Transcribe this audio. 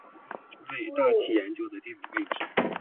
为大气研究的理想位置。